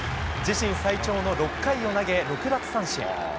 自身最長の６回を投げ６奪三振。